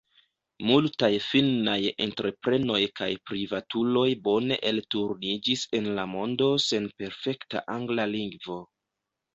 Multaj finnaj entreprenoj kaj privatuloj bone elturniĝis en la mondo sen perfekta angla lingvo.